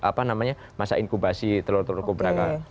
apa namanya masa inkubasi telur telur kobraka